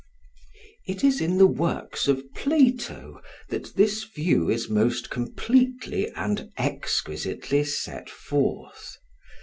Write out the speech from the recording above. It is in the works of Plato that this view is most completely and exquisitely set forth.